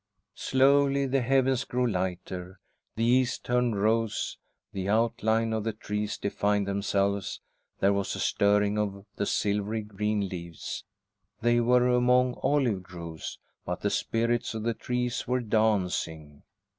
Slowly, the heavens grew lighter, the east turned rose, the outline of the trees defined themselves, there was a stirring of the silvery green leaves. They were among olive groves but the spirits of the trees were dancing.